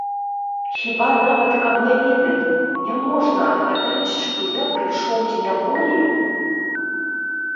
Хіба нават каб не ведалі, не можна адгадаць, што я прыйшоў з няволі?!